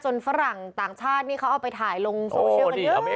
ฝรั่งต่างชาตินี่เขาเอาไปถ่ายลงโซเชียลกันเยอะ